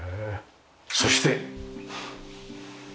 そして。